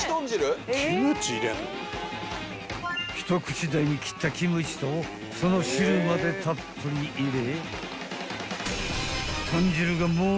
［一口大に切ったキムチとその汁までたっぷり入れ］